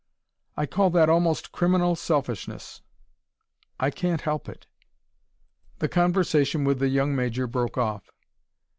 "I call that almost criminal selfishness." "I can't help it." The conversation with the young Major broke off.